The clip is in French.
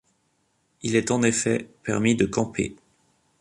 Il est en effet permis de camper.